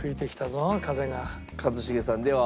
一茂さんでは。